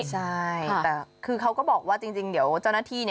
ใช่แต่คือเขาก็บอกว่าจริงเดี๋ยวเจ้าหน้าที่